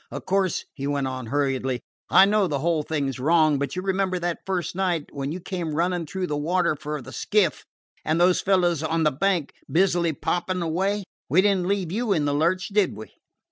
"Of course," he went on hurriedly, "I know the whole thing 's wrong; but you remember that first night, when you came running through the water for the skiff, and those fellows on the bank busy popping away? We did n't leave you in the lurch, did we?"